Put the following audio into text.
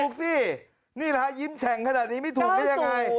สินี่แหละฮะยิ้มแฉ่งขนาดนี้ไม่ถูกได้ยังไง